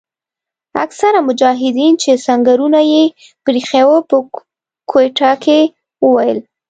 اکثره مجاهدین چې سنګرونه یې پریښي وو په کوټه کې وویل.